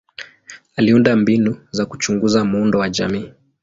Aliunda mbinu za kuchunguza muundo wa jamii.